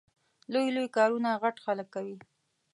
لوی لوی کارونه غټ خلګ کوي